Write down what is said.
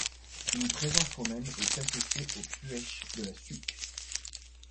Une présence romaine est attestée au Puech de la Suque.